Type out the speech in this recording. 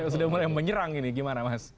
sudah mulai menyerang ini gimana mas